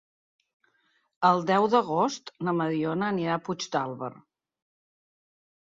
El deu d'agost na Mariona anirà a Puigdàlber.